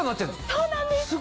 そうなんです！